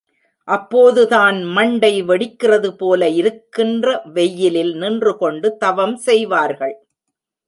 அப்போது தான் மண்டை வெடிக்கிறது போல இருக்கின்ற வெயிலில் நின்று கொண்டு தவம் செய்வார்கள்.